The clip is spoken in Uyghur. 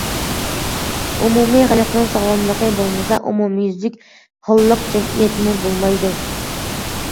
ئومۇمىي خەلقنىڭ ساغلاملىقى بولمىسا، ئومۇميۈزلۈك ھاللىق جەمئىيەتمۇ بولمايدۇ.